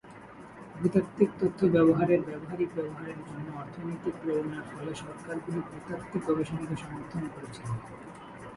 ভূতাত্ত্বিক তথ্য ব্যবহারের ব্যবহারিক ব্যবহারের জন্য অর্থনৈতিক প্রেরণার ফলে সরকারগুলি ভূতাত্ত্বিক গবেষণাকে সমর্থন করেছিল।